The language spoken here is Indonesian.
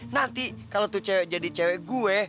nanti kalau tuh cewek jadi cewek gue